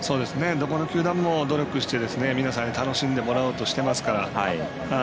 どこの球団も努力されて皆さんに楽しんでもらおうとしていますから。